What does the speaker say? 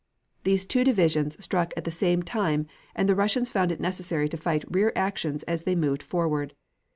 These two divisions struck at the same time and the Russians found it necessary to fight rear actions as they moved forward.